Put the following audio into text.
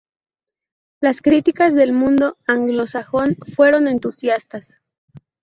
Las críticas del mundo anglosajón fueron entusiastas.